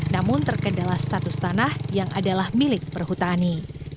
namun terkendala status tanah yang adalah milik perhutani